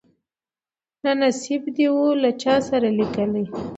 نه نصیب دي وو له چا سره لیکلی